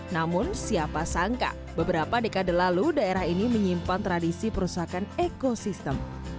namun siapa sangka beberapa dekade lalu daerah ini menyimpan tradisi perusakan ekosistem